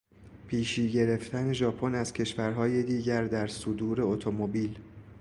پیشی گرفتن ژاپن از کشورهای دیگر در صدور اتومبیل